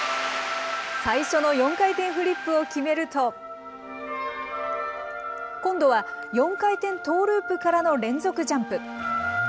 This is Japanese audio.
最初の４回転フリップを決めると、今度は４回転トーループからの連続ジャンプ。